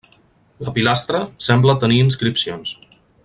La pilastra sembla tenir inscripcions.